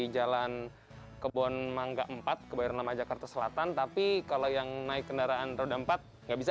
jalan kebon mangga empat kebayoran lama jakarta selatan tapi kalau yang naik kendaraan roda empat nggak bisa